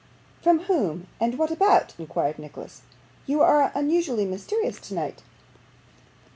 'From whom and what about?' inquired Nicholas. 'You are unusually mysterious tonight.